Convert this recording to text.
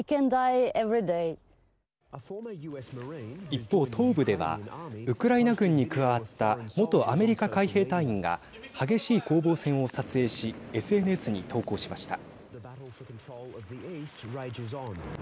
一方、東部ではウクライナ軍に加わった元アメリカ海兵隊員が激しい攻防戦を撮影しＳＮＳに投稿しました。